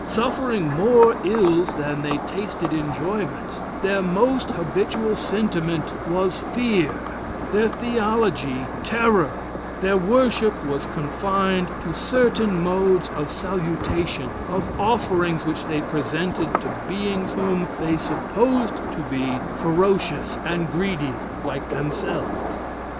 Suffering more ills than they tasted enjoyments, their most habitual sentiment was fear, their theology terror, their worship was confined to certain modes of salutation, of offerings which they presented to beings whom they supposed to be ferocious and greedy like themselves.